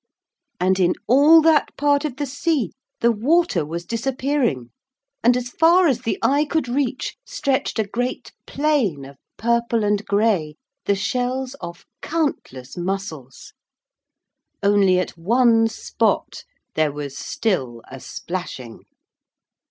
And in all that part of the sea the water was disappearing, and as far as the eye could reach stretched a great plain of purple and gray the shells of countless mussels. Only at one spot there was still a splashing.